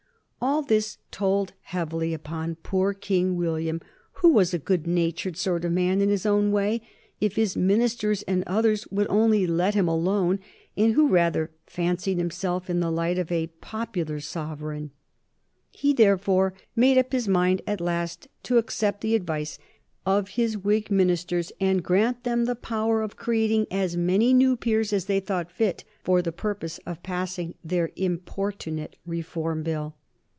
All this told heavily upon poor King William, who was a good natured sort of man in his own way if his ministers and others would only let him alone, and who rather fancied himself in the light of a popular sovereign. He therefore made up his mind at last to accept the advice of his Whig ministers and grant them the power of creating as many new peers as they thought fit, for the purpose of passing their importunate Reform Bill.